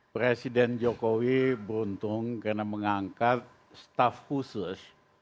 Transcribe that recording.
presiden jokowi beruntung karena mengangkat staff khusus